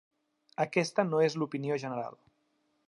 Aquesta no és l'opinió general.